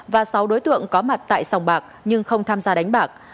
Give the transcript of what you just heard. và sáu đối tượng có mặt tại sòng bạc nhưng không tham gia đánh bạc